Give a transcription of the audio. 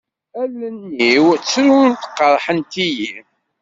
Allen-iw ttrunt, qerḥent-iyi.